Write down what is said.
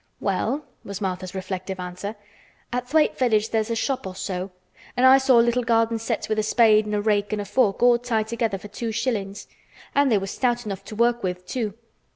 "Well," was Martha's reflective answer, "at Thwaite village there's a shop or so an' I saw little garden sets with a spade an' a rake an' a fork all tied together for two shillings. An' they was stout enough to work with, too."